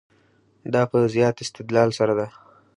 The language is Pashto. دا په زیات استدلال سره ده.